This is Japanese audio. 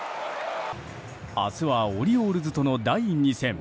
明日はオリオールズとの第２戦。